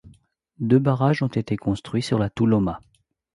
Deux barrages ont été construits sur la Touloma.